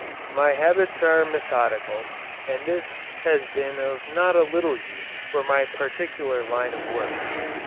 My habits are methodical, and this has been of not a little use for my particular line of work.